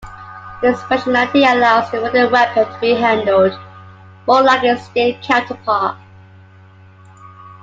This functionality allows the wooden weapon to be handled more like its steel counterpart.